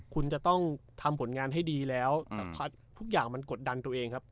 คุณจะต้องทำผลงานให้ดีแล้วทุกอย่างมันกดดันตัวเองครับ